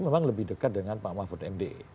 memang lebih dekat dengan pak mahfud md